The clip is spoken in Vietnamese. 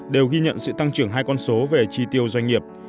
đều ghi nhận sự tăng trưởng hai con số về chi tiêu doanh nghiệp